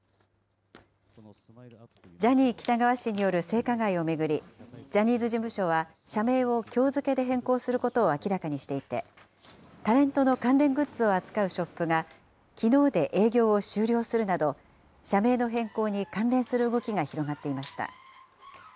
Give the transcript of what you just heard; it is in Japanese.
ジャニー喜多川氏による性加害を巡り、ジャニーズ事務所は社名をきょう付けで変更することを明らかにしていて、タレントの関連グッズを扱うショップが、きのうで営業を終了するなど、社名の変更に関連する動きが広がっていました。